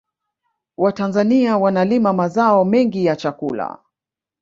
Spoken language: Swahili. watanzania wanalima mazao mengi ya chakula